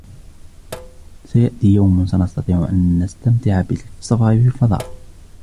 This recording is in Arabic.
سيأتي يوم سنستطيع أن نستمتع بالسفر في الفضاء.